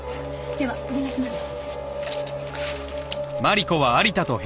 ではお願いします。